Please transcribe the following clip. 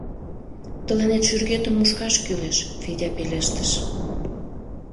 — Тыланет шӱргетым мушкаш кӱлеш, — Федя пелештыш.